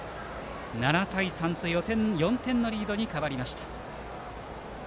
７対３と４点のリードに変わりました。